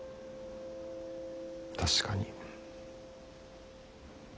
確かに。